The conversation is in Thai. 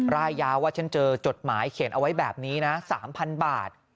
ร่ายยาวว่าฉันเจอจดหมายเขียนเอาไว้แบบนี้นะ๓๐๐บาท